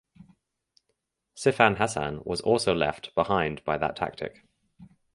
Sifan Hassan was also left behind by that tactic.